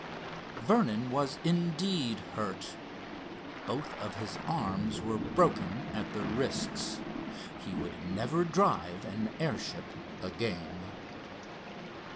Vernon was, indeed, hurt. Both of his arms were broken at the wrists. He would never drive an airship again.